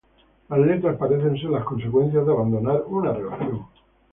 Las letras parecen ser las consecuencias de abandonar una relación.